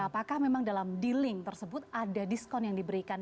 apakah memang dalam dealing tersebut ada diskon yang diberikan